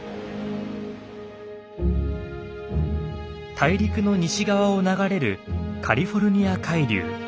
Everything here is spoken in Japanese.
大陸の西側を流れるカリフォルニア海流。